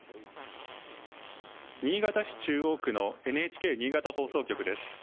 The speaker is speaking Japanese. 新潟市中央区のＮＨＫ新潟放送局です。